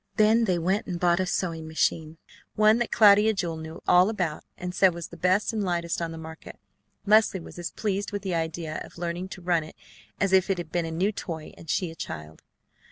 Then they went at once and bought a sewing machine, one that Julia Cloud knew all about and said was the best and lightest on the market. Leslie was as pleased with the idea of learning to run it as if it had been a new toy and she a child.